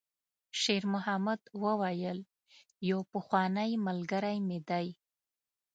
شېرمحمد وویل: «یو پخوانی ملګری مې دی.»